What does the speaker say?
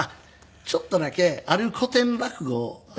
ちょっとだけある古典落語を。